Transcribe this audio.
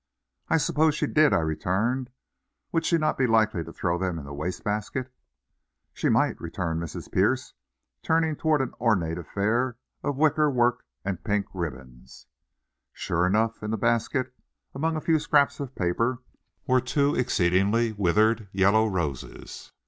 "I suppose she did," I returned; "would she not be likely to throw them in the waste basket?" "She might," returned Mrs. Pierce, turning toward an ornate affair of wicker work and pink ribbons. Sure enough, in the basket, among a few scraps of paper, were two exceedingly withered yellow roses.